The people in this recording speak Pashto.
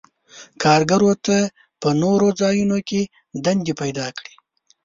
کارګرو ته په نورو ځایونو کې دندې پیداکړي.